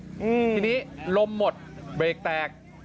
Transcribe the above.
ทีนี้ลมหมดเบรกแตก